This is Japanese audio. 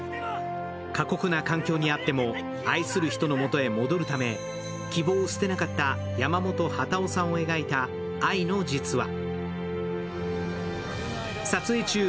過酷な環境にあっても愛する人の元へ戻るため希望を捨てなかった山本幡男さんを描いた愛の実話。